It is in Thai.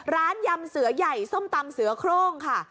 ยำเสือใหญ่ส้มตำเสือโครงค่ะ